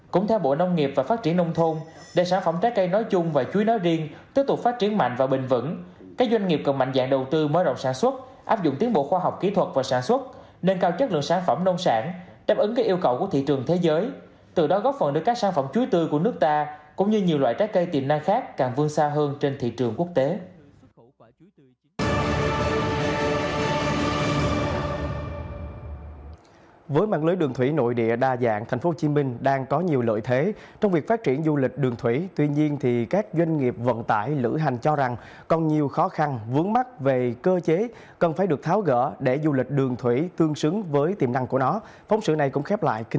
cũng theo bộ nông nghiệp và phát triển nông thôn để sản phẩm trái cây nói chung và chuối nói riêng tiếp tục phát triển mạnh và bình vẩn các doanh nghiệp cần mạnh dạng đầu tư mới rộng sản xuất áp dụng tiến bộ khoa học kỹ thuật và sản xuất nâng cao chất lượng sản phẩm nông sản đáp ứng các yêu cầu của thị trường thế giới